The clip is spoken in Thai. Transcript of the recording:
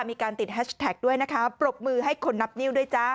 มีการติดแฮชแท็กด้วยนะคะปรบมือให้คนนับนิ้วด้วยจ้า